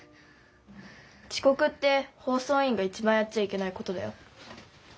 ちこくってほうそういいんが一番やっちゃいけないことだよ。